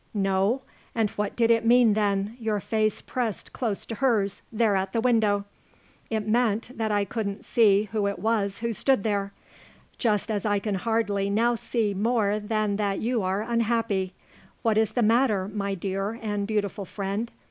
"No? And what did it mean, then, your face pressed close to hers, there at the window?" "It meant that I couldn't see who it was who stood there. Just as I can hardly now see more than that you are unhappy. What is the matter, my dear and beautiful friend?"